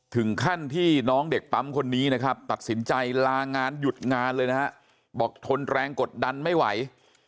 ถึงขั้นที่น้องเด็กปั๊มคนนี้นะครับตัดสินใจลางานหยุดงานเลยนะฮะบอกทนแรงกดดันไม่ไหว